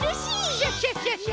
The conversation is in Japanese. クシャシャシャシャ！